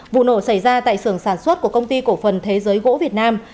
vụ nổ xảy ra tại sưởng sản xuất của công ty cổ phần thế giới gỗ việt nam